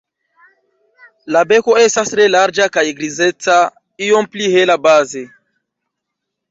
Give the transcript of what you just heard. La beko estas tre larĝa kaj grizeca, iom pli hela baze.